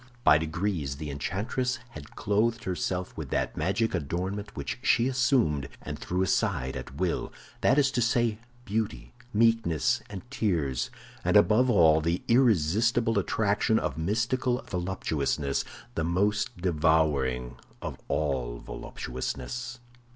By degrees the enchantress had clothed herself with that magic adornment which she assumed and threw aside at will; that is to say, beauty, meekness, and tears—and above all, the irresistible attraction of mystical voluptuousness, the most devouring of all voluptuousness.